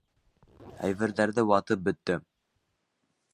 Әйберҙәрҙе ватып бөттө!